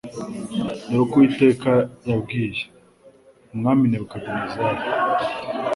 Dore uko Uwiteka yabwiye Umwami Nebukadinezari: